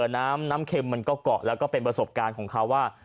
น้ำน้ำเค็มมันก็เกาะแล้วก็เป็นประสบการณ์ของเขาว่า